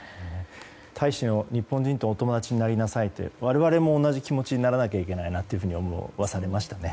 大使も日本人とお友達になりなさいって我々も同じ気持ちにならなきゃいけないなと思いましたね。